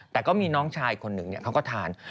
แต่ก็มีน้องชายคนหนึ่งเขาก็ทาน